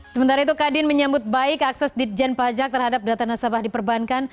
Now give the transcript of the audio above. sementara itu kadin menyambut baik akses ditjen pajak terhadap data nasabah di perbankan